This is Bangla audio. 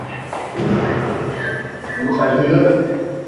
কিছু বিষয় বদলাতে!